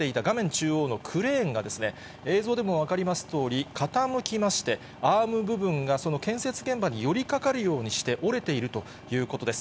中央のクレーンがですね、映像でも分かりますとおり、傾きまして、アーム部分がその建設現場に寄りかかるようにして折れているということです。